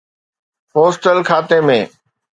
postal کاتي ۾